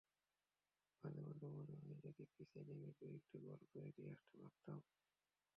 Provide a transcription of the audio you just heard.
মাঝেমধ্যে মনে হয়, যদি পিচে নেমে দু-একটি গোল করে দিয়ে আসতে পারতাম।